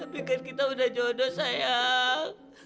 tapi kan kita udah jodoh sayang